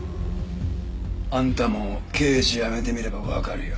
あんたも刑事辞めてみればわかるよ。